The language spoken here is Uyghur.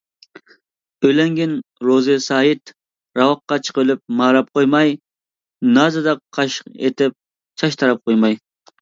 ئۆيلەنگىن روزى سايىت راۋاققا چىقىۋېلىپ ماراپ قويماي، نازىدا قاش ئېتىپ، چاچ تاراپ قويماي.